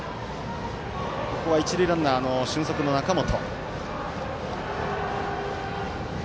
ここは一塁ランナー、俊足の中本。